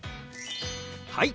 はい！